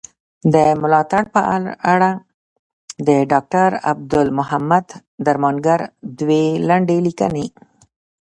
د ملاتړ په اړه د ډاکټر عبدالمحمد درمانګر دوې لنډي ليکني.